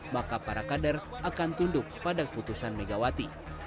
maka para kader akan tunduk pada putusan megawati